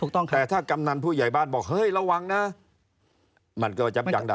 แต่ถ้ากำนันผู้ใหญ่บ้านบอกเฮ้ยระวังนะมันก็จำได้